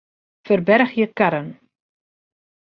Ferbergje karren.